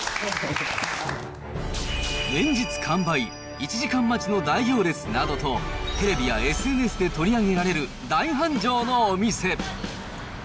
連日完売、１時間待ちの大行列などと、テレビやＳＮＳなどで取り上げられる、大繁盛のお店。